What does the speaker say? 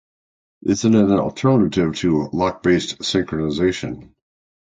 It is an alternative to lock-based synchronization.